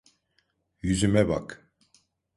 Yüzüme bak.